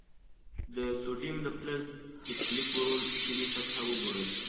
د سوډیم د فلز صیقلي ګرول شوې سطحه وګورئ.